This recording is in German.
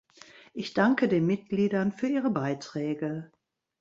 Ich danke den Mitgliedern für ihre Beiträge.